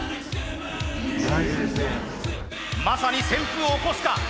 まさに旋風を起こすか。